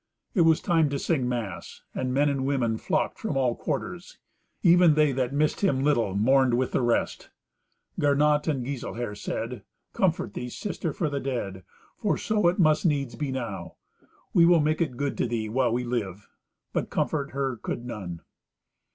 It was time to sing mass, and men and women flocked from all quarters. Even they that missed him little mourned with the rest. Gernot and Giselher said, "Comfort thee, sister, for the dead, for so it must needs be now. We will make it good to thee while we live." But comfort her could none.